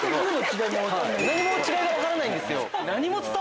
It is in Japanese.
違いが分からないんですよ。